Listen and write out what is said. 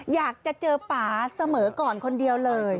อยากจะเจอป่าเสมอก่อนคนเดียวเลย